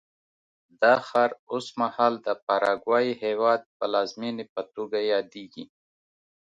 دا ښار اوس مهال د پاراګوای هېواد پلازمېنې په توګه یادېږي.